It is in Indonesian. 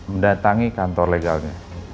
mendatangi kantor legalnya